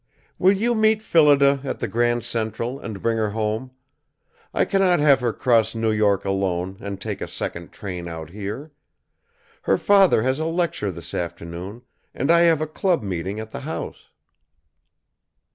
"Will you meet Phillida at the Grand Central and bring her home? I cannot have her cross New York alone and take a second train out here. Her father has a lecture this afternoon and I have a club meeting at the house."